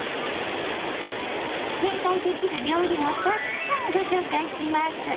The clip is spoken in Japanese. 展開できる料理もたくさんご紹介します。